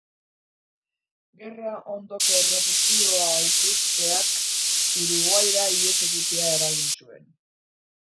Gerra ondoko errepresioa ikusteak Uruguaira ihes egitea eragin zuen.